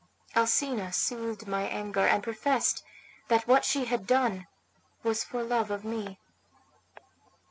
Alcina soothed my anger, and professed that what she had done was for love of me.